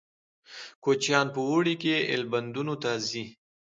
کوچیان په اوړي کې ایلبندونو ته ځي